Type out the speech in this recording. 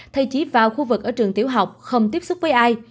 thay chỉ vào khu vực ở trường tiểu học không tiếp xúc với ai